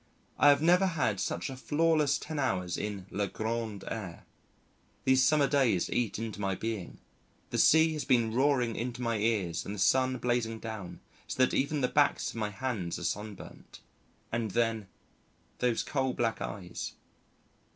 I have never had such a flawless ten hours in le grand air. These summer days eat into my being. The sea has been roaring into my ears and the sun blazing down so that even the backs of my hands are sunburnt. And then: those coal black eyes.